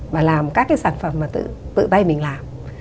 và làm các cái sản phẩm mà tự tay mình làm